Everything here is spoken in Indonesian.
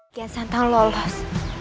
mukian santan lolos